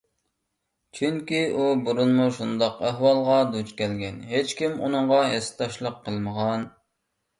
چۈنكى ئۇ بۇرۇنمۇ شۇنداق ئەھۋالغا دۇچ كەلگەن، ھېچكىم ئۇنىڭغا ھېسداشلىق قىلمىغان.